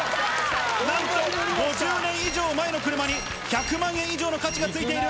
なんと、５０年以上前の車に１００万円以上の価値がついている。